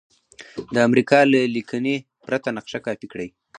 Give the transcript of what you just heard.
د امریکا له لیکنې پرته نقشه کاپي کړئ.